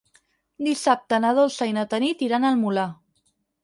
Dissabte na Dolça i na Tanit iran al Molar.